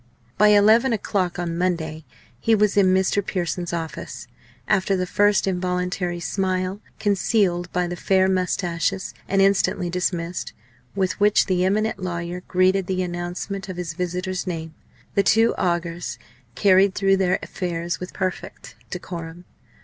By eleven o'clock on Monday he was in Mr. Pearson's office. After the first involuntary smile, concealed by the fair moustaches, and instantly dismissed, with which the eminent lawyer greeted the announcement of his visitor's name, the two augurs carried through their affairs with perfect decorum.